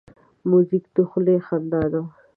موزیک د خولې خندا ده.